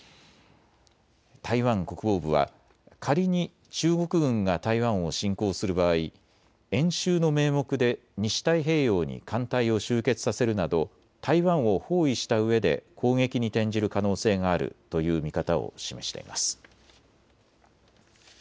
台湾国防部は仮に中国軍が台湾を侵攻する場合、演習の名目で西太平洋に艦隊を集結させるなど台湾を包囲したうえで攻撃に転じる可能性があるという見方を示しています。